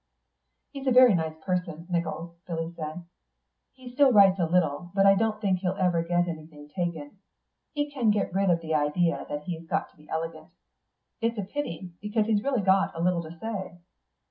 "He's a very nice person, Nichols," Billy said; "he still writes a little, but I don't think he'll ever get anything taken. He can't get rid of the idea that he's got to be elegant. It's a pity, because he's really got a little to say."